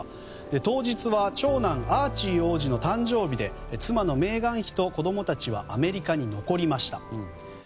当日は長男アーチー王子の誕生日で妻のメーガン妃と子供たちはアメリカに残りました。